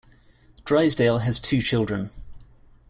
Drysdale has two children.